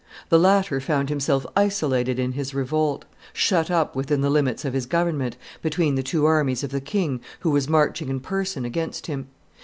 The latter found himself isolated in his revolt, shut up within the limits of his government, between the two armies of the king, who was marching in person against him.